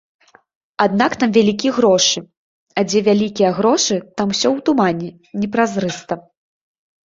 Аднак там вялікі грошы, а дзе вялікія грошы, там усё ў тумане, непразрыста.